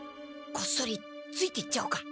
こっそりついていっちゃおうか。